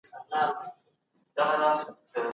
ښه خلک د خپلو اخلاقو له امله پېژندل کیږي.